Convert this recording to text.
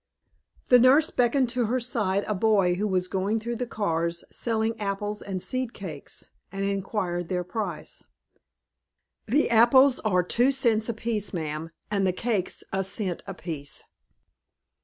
The nurse beckoned to her side a boy who was going through the cars selling apples and seed cakes, and inquired their price. "The apples are two cents apiece, ma'am, and the cakes a cent apiece."